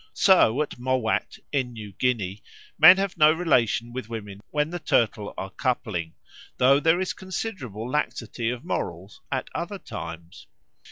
So at Mowat in New Guinea men have no relation with women when the turtles are coupling, though there is considerable laxity of morals at other times.